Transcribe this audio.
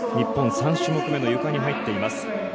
３種目めのゆかに入っています。